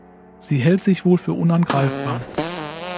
Sie hält sich wohl für unangreifbar.